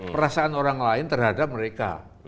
perasaan orang lain terhadap mereka